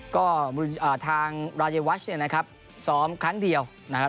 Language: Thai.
ก็ทางรายวัชเนี่ยนะครับซ้อมครั้งเดียวนะครับ